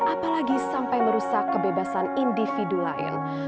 apalagi sampai merusak kebebasan individu lain